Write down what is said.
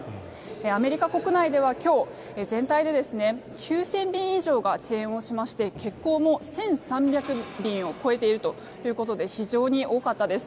アメリカ国内では今日全体で９０００便以上が遅延をしまして欠航も１３００便を超えているということで非常に多かったです。